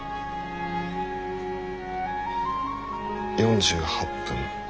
４８分。